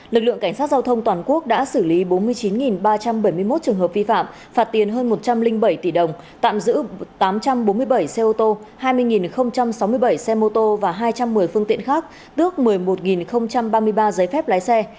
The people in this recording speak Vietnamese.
lực lượng cảnh sát giao thông toàn quốc đã xử lý bốn mươi chín ba trăm bảy mươi một trường hợp vi phạm phạt tiền hơn một trăm linh bảy tỷ đồng tạm giữ tám trăm bốn mươi bảy xe ô tô hai mươi sáu mươi bảy xe mô tô và hai trăm một mươi phương tiện khác tước một mươi một ba mươi ba giấy phép lái xe